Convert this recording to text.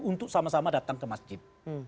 untuk sama sama datang ke masjid